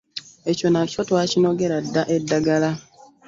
Ekyo nakyo twakinogera dda eddagala.